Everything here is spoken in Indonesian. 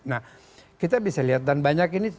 nah kita bisa lihat dan banyak ini